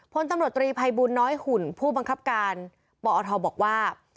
พลตำรวจตรีภัยบูลน้อยหุ่นผู้บังคับการปอทบอกว่า